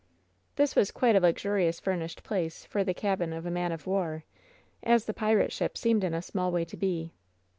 This was quite a luxuriously furnished place for the cabin of a man of war, as the pirate ship seemed in a small way to be.